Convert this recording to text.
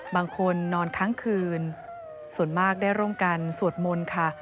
บางคนนอนค้างคืนส่วนมากได้ร่มกันสวดมนต์ค่ะ